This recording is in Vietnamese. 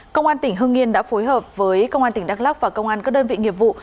công an tỉnh hưng yên đã phối hợp với công an tỉnh đắk lắc và công an các đơn vị nghiệp vụ